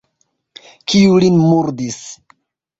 Kiu lin murdis?